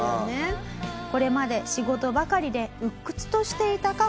これまで仕事ばかりで鬱屈としていたカホさん。